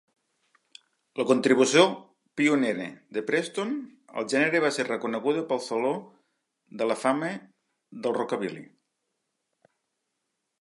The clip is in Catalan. La contribució pionera de Preston al gènere va ser reconeguda pel Saló de la Fama del Rockabilly.